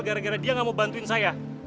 gara gara dia gak mau bantuin saya